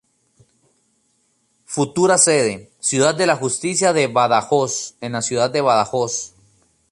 Futura sede: Ciudad de la Justicia de Badajoz, en la ciudad de Badajoz